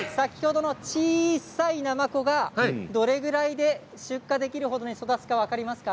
小さい稚なまこが、どれくらいで出荷できるほどに育つか分かりますか？